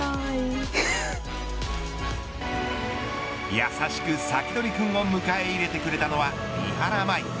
優しくサキドリくんを迎え入れてくれたのは三原舞依。